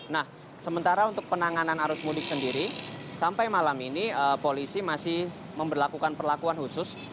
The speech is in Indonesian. nah sementara untuk penanganan arus mudik sendiri sampai malam ini polisi masih memperlakukan perlakuan khusus